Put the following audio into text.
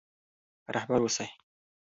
رهبر اوسئ.